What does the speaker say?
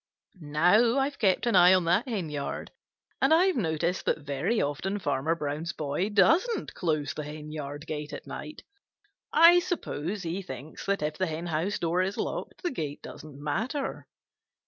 Now I've kept an eye on that henyard, and I've noticed that very often Farmer Brown's boy doesn't close the henyard gate at night. I suppose he thinks that if the henhouse door is locked, the gate doesn't matter.